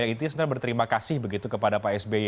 ya intinya sebenarnya berterima kasih begitu kepada pak sby